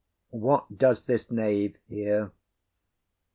What does this knave here?